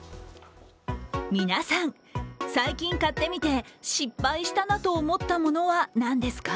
皆さん、最近買ってみて失敗したなと思ったものは何ですか？